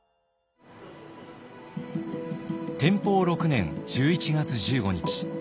天保６年１１月１５日。